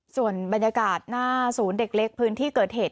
ส่วนบรรยากาศหน้าศูนย์เด็กเล็กพื้นที่เกิดเหตุ